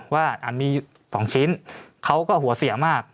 อันมี๒ชิ้นเขาก็หัวเสียมาก